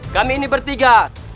kami ini bertiga